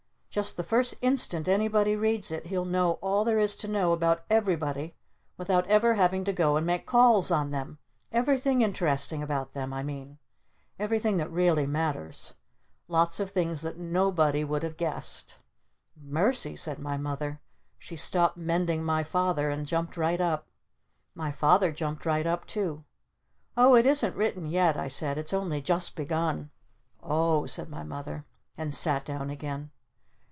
Just the first instant anybody reads it he'll know all there is to know about everybody without ever having to go and make calls on them! Everything interesting about them I mean! Everything that really matters! Lots of things that nobody would have guessed!" "Mercy!" said my Mother. She stopped mending my Father and jumped right up. My Father jumped right up too! "Oh, it isn't written yet!" I said. "It's only just begun!" "O h," said my Mother. And sat down again.